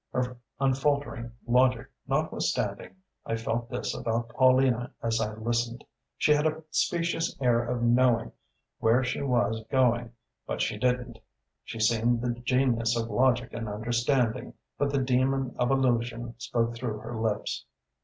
Her unfaltering logic notwithstanding, I felt this about Paulina as I listened. She had a specious air of knowing where she was going, but she didn't. She seemed the genius of logic and understanding, but the demon of illusion spoke through her lips....